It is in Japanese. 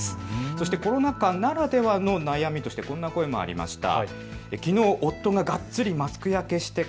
そしてコロナ禍ならではの悩みとしてこんな声もありました。